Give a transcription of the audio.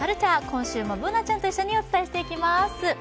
今週もＢｏｏｎａちゃんとお伝えしていきます。